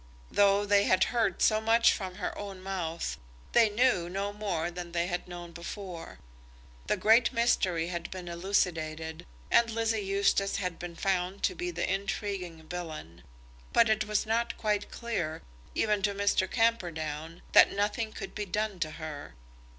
Though they had heard so much from her own mouth, they knew no more than they had known before. The great mystery had been elucidated, and Lizzie Eustace had been found to be the intriguing villain; but it was quite clear, even to Mr. Camperdown, that nothing could be done to her.